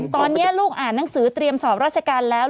ตอนนี้ลูกอ่านหนังสือเตรียมสอบราชการแล้ว